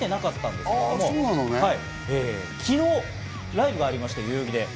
ですが昨日、ライブがありまして、代々木で。